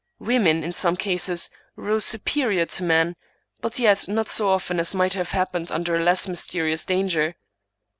Women, in some cases, rose su perior to men, but yet not so often as might have happened under a less mysterious danger.